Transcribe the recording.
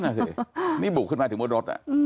นั่นสินี่บุกขึ้นมาถึงบนรถ